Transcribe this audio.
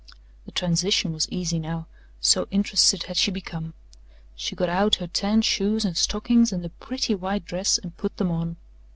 The transition was easy now, so interested had she become. She got out her tan shoes and stockings and the pretty white dress and put them on.